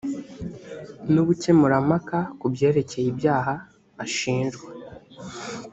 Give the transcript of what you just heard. ni ubukemurampaka ku byerekeye ibyaha ashinjwa